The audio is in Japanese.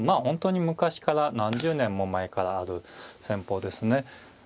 本当に昔から何十年も前からある戦法ですね。